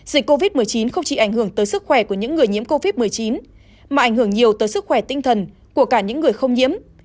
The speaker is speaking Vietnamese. dịch covid một mươi chín không chỉ ảnh hưởng tới sức khỏe của những người nhiễm covid một mươi chín mà ảnh hưởng nhiều tới sức khỏe tinh thần của cả những người không nhiễm